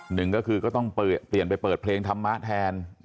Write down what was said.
หนึ่งก็คือก็ต้องเปลี่ยนไปเปิดเพลงธรรมะแทน